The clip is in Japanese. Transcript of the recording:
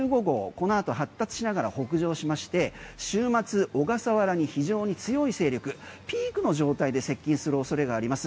このあと発達しながら北上しまして週末、小笠原に非常に強い勢力ピークの状態で接近するおそれがあります。